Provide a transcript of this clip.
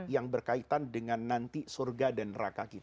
yang berkaitan dengan nanti surga dan neraka kita